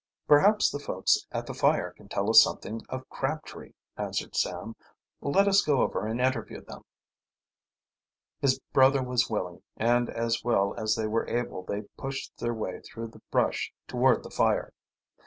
"Perhaps the folks at the fire can tell us something of Crabtree," answered Sam. "Let us go over and interview them." His brother was willing, and as well as they were able they pushed their way through the brush toward the fire.